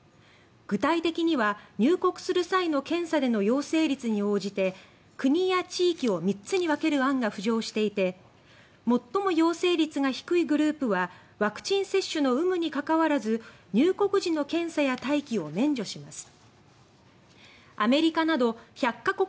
具体的には入国する際の検査での陽性率に応じて国や地域を３つに分ける案が浮上していて最も陽性率が低いグループはワクチン接種の有無にかかわらず入国時の検査や待機を免除します。